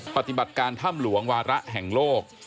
ปฏิบัติการถ้ำหลวงวาระแห่งโลก